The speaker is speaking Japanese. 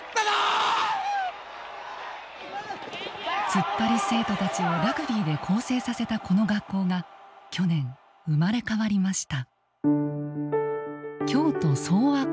ツッパリ生徒たちをラグビーで更生させたこの学校が去年生まれ変わりました。